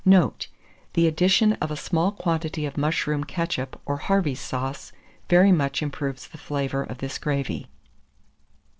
Note. The addition of a small quantity of mushroom ketchup or Harvey's sauce very much improves the flavour of this gravy.